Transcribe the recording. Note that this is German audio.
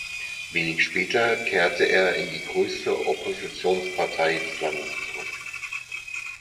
Wenig später kehrte er in die größte Oppositionspartei des Landes zurück.